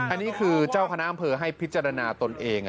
อันนี้คือเจ้าคณะอำเภอให้พิจารณาตนเอง